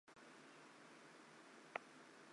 长苞羊耳蒜为兰科羊耳蒜属下的一个种。